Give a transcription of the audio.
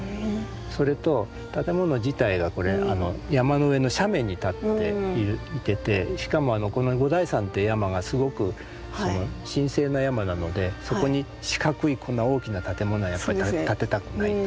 それと建物自体が山の上の斜面に立っていてしかもこの五台山っていう山がすごく神聖な山なのでそこに四角いこんな大きな建物はやっぱり建てたくないと。